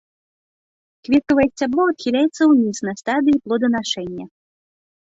Кветкавае сцябло адхіляецца ўніз на стадыі плоданашэння.